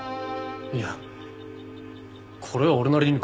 いやこれは俺なりに考えて。